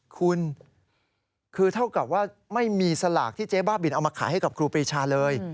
คุณคือเท่ากับว่าไม่มีสลากที่เจ๊บ้าบินเอามาขายให้กับครูปรีชาเลย